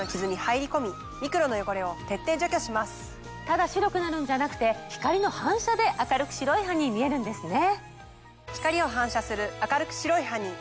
ただ白くなるんじゃなくて光の反射で明るく白い歯に見えるんですね。